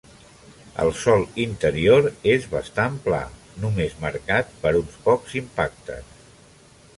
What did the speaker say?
El sòl interior és bastant pla, només marcat per uns pocs impactes.